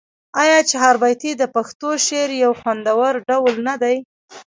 آیا چهاربیتې د پښتو شعر یو خوندور ډول نه دی؟